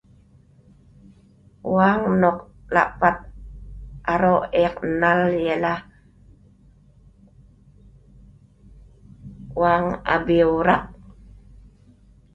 Wang nok la paat aroq eek nnal ialah wang abieu raak